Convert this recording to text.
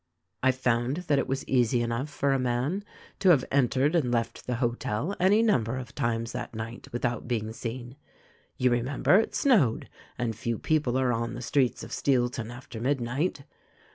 I found that it was easy enough for a man to have entered and left the hotel any number of times that night without being seen. You remember, it snowed, and few people are on the streets of Steelton after midnight.